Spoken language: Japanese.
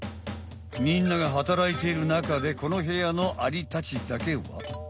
みんなが働いている中でこのへやのアリたちだけは。